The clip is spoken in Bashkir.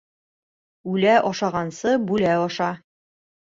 Үлә ашағансы, бүлә аша.